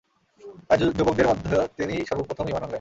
তাই যুবকদের মধ্যে তিনিই সর্ব প্রথম ঈমান আনলেন।